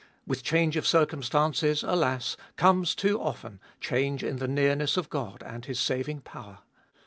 With change of circumstances, alas, comes too often change in the nearness of God and His saving power.